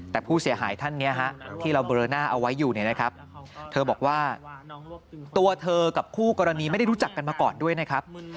แต่ผู้เสียหายท่านนี้ฮะที่เราเบลอหน้าเอาไว้อยู่เนี่ยนะครับเธอบอกว่าตัวเธอกับคู่กรณีไม่ได้รู้จักกันมาก่อนด้วยนะครับ